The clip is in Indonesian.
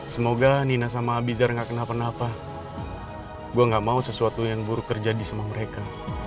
semoga nina sama abizar gak kena apa apa gue gak mau sesuatu yang buruk terjadi sama mereka